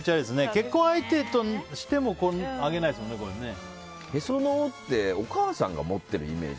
結婚相手であってもへその緒ってお母さんが持ってるイメージ。